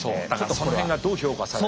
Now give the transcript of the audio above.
その辺がどう評価されるか。